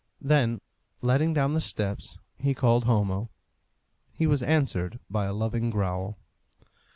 Then letting down the steps, he called Homo. He was answered by a loving growl.